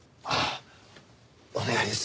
お願いです。